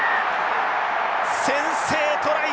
先制トライ